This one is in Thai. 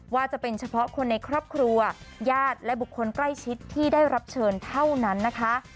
ว่าจะเป็นเฉพาะคนในครอบครัวญาติและบุคคลใกล้ชิดที่ได้รับเชิญเท่านั้นนะคะ